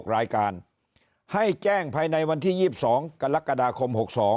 รายการให้แจ้งภายในวันที่๒๒กรกฎาคม๖๒